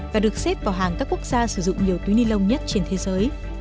và được xếp vào hàng các quốc gia sử dụng nhiều túi nilon nhất trên thế giới